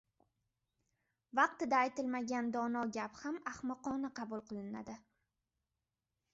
• Vaqtida aytilmagan dono gap ham ahmoqona qabul qilinadi.